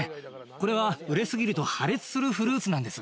これは熟れすぎると破裂するフルーツなんです。